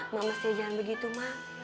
mak mesti jangan begitu mak